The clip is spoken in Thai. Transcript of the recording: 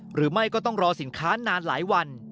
หรือไม่ก็ต้องรอสินค้านานหลายวัน